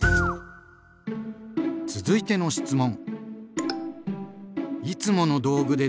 続いての質問！